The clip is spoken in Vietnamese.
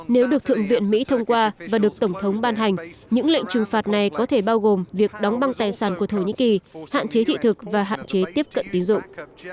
nếu được thượng viện mỹ thông qua và được tổng thống ban hành những lệnh trừng phạt này có thể bao gồm việc đóng băng tài sản của thổ nhĩ kỳ hạn chế thị thực và hạn chế tiếp cận tín dụng